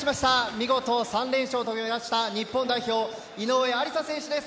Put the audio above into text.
見事、３連勝になりました日本代表井上愛里沙選手です。